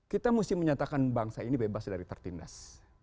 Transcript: kita mesti menyatakan bangsa ini bebas dari tertindas